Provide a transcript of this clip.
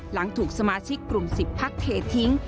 หลังถูกสมาชิกกลุ่ม๑๐พักเททิ้ง